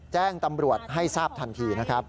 แจ้งตำรวจให้ทราบทันทีนะครับ